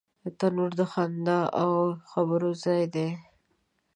تنور د خندا او خبرو ځای دی